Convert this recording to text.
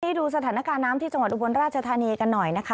ดูสถานการณ์น้ำที่จังหวัดอุบลราชธานีกันหน่อยนะคะ